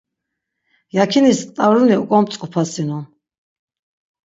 Yakinis t̆aruni oǩomtzǩupasinon.